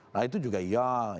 nah itu juga iya